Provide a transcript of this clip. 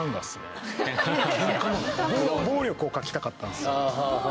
暴力を描きたかったんすよ